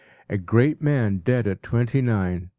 A great man dead at twenty nine!